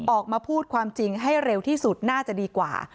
ออกมาพูดความจริงให้เร็วที่สุดน่าจะดีกว่า